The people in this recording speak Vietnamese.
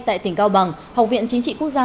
tại tỉnh cao bằng học viện chính trị quốc gia